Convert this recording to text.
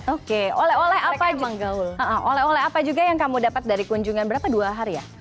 oke oleh oleh apa juga yang kamu dapat dari kunjungan berapa dua hari ya